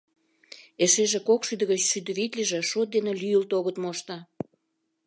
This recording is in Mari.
Эшеже кокшӱдӧ гыч шӱдӧ витлыже шот дене лӱйылт огыт мошто.